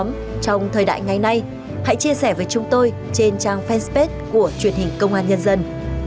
nhiều người xóm trong thời đại ngày nay hãy chia sẻ với chúng tôi trên trang facebook của truyền hình công an nhân dân